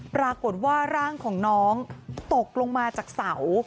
ปรากฏว่าร่างของน้องตกลงมาจากเสา